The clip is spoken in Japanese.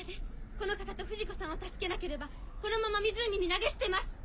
この方と不二子さんを助けなければこのまま湖に投げ捨てます！